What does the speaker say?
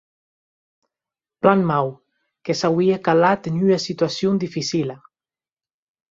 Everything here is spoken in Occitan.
Plan mau; que s’auie calat en ua situacion dificila.